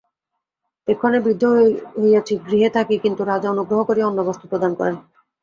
এক্ষণে বৃদ্ধা হইয়াছি, গৃহে থাকি, কিন্তু রাজা অনুগ্রহ করিয়া অন্ন বস্ত্র প্রদান করেন।